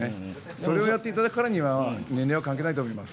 それをやっていただくからには年齢は関係ないと思います。